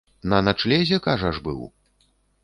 На начлезе, кажаш, быў?